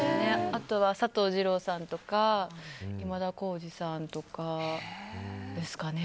あとは佐藤二朗さんとか今田耕司さんとかですかね。